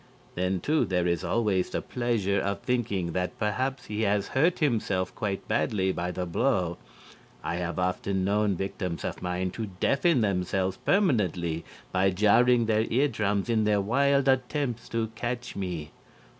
Then, too, there is always the pleasure of thinking that perhaps he has hurt himself quite badly by the blow. I have often known victims of mine to deafen themselves permanently by jarring their eardrums in their wild attempts to catch me."